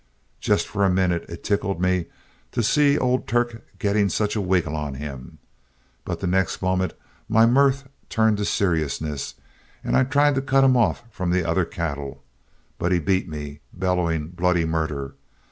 Just for a minute it tickled me to see old Turk getting such a wiggle on him, but the next moment my mirth turned to seriousness, and I tried to cut him off from the other cattle, but he beat me, bellowing bloody murder.